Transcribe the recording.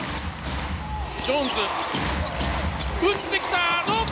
ジョーンズ、打ってきた、どうか。